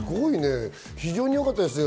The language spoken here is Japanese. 非常によかったですよ。